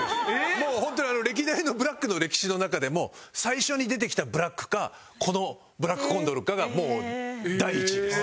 もうホントに歴代のブラックの歴史の中でも最初に出てきたブラックかこのブラックコンドルかがもう第１位です。